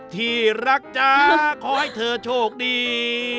ที่รักจ๊ะขอให้เธอโชคดี